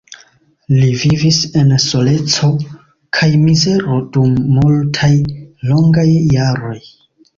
Li vivis en soleco kaj mizero dum multaj longaj jaroj.